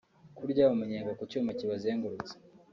kurya umunyenga ku cyuma kibazengurutsa